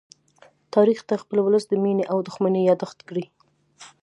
تاریخ د خپل ولس د مینې او دښمنۍ يادښت دی.